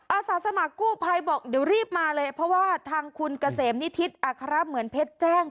อาสาสมัครกู้ภัยบอกเดี๋ยวรีบมาเลยเพราะว่าทางคุณเกษมนิทิศอัครเหมือนเพชรแจ้ง